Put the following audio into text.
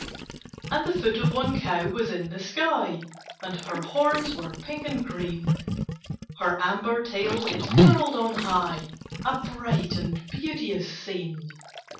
And the foot of one cow was in the sky, And her horns were pink and green; Her amber tail it curled on high A bright and beauteous scene.